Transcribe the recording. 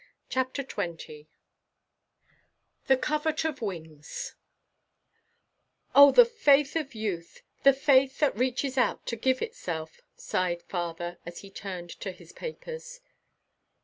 CHAPTER XX THE COVERT OF WINGS "Oh, the faith of youth, the faith that reaches out to give itself," sighed father as he turned to his papers.